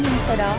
ở chỗ kia xong